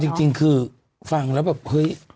จริงคือฟังแล้วแบบเฮ้ย